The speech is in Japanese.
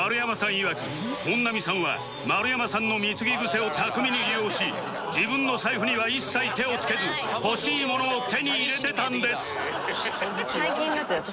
いわく本並さんは丸山さんの貢ぎグセを巧みに利用し自分の財布には一切手をつけず欲しいものを手に入れてたんです